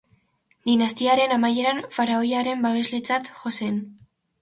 Dinastiaren amaieran faraoiaren babesletzat jo zen.